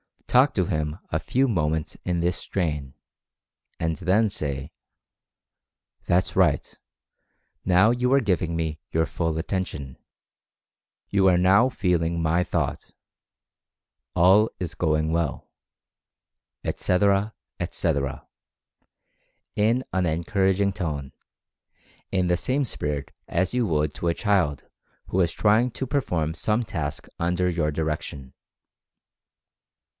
Talk to him a few moments in this strain, and then say: "That's right, now you are giving me your full attention — you are now feeling my Thought — all is going well," etc., etc., in an encouraging tone, in the same spirit as you would to a child who was trying to perform some task under your direction.